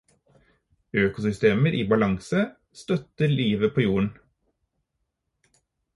Økosystemer i balanse støtter livet på jorden